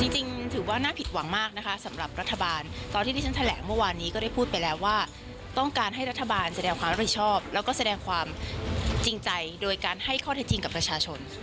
จริงถือว่าน่าผิดหวังมากนะคะสำหรับรัฐบาลตอนที่ที่ฉันแถลงเมื่อวานนี้ก็ได้พูดไปแล้วว่าต้องการให้รัฐบาลแสดงความรับผิดชอบแล้วก็แสดงความจริงใจโดยการให้ข้อเท็จจริงกับประชาชน